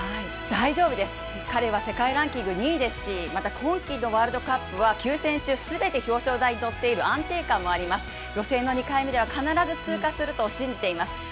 大丈夫です、彼は世界ランキング２位ですしまた今季のワールドカップは９戦中全て表彰台に乗っている安定感もあります、予選の２回目では必ず通過すると信じています。